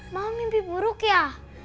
mama mimpi buruk ya